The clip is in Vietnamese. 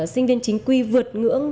sinh viên chính quy vượt ngưỡng